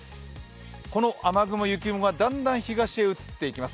この雨雲、雪雲がだんだん東へ移っていきます。